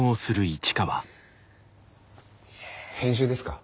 編集ですか？